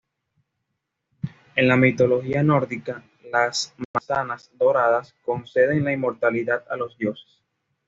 En la mitología nórdica, las manzanas doradas conceden la inmortalidad a los dioses.